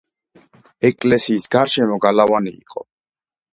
ეკლესიის გარშემო გალავანი იყო.